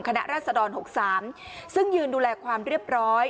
ราศดร๖๓ซึ่งยืนดูแลความเรียบร้อย